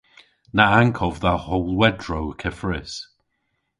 Na ankov dha howlwedrow keffrys!